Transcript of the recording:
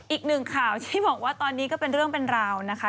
อีกหนึ่งข่าวที่บอกว่าตอนนี้ก็เป็นเรื่องเป็นราวนะคะ